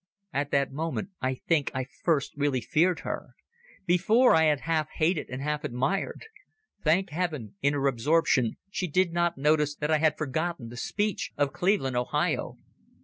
At that moment I think I first really feared her; before I had half hated and half admired. Thank Heaven, in her absorption she did not notice that I had forgotten the speech of Cleveland, Ohio.